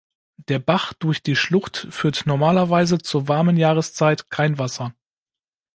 Der Bach durch die Schlucht führt normalerweise zur warmen Jahreszeit kein Wasser.